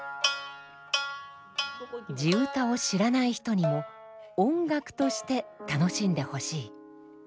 地唄を知らない人にも音楽として楽しんでほしい。